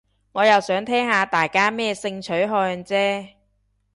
我又想聽下大家咩性取向啫